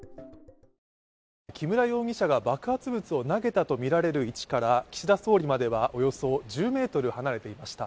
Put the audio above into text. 木村容疑者が爆発物を投げたとみられる位置から岸田総理まではおよそ１０ｍ離れていました。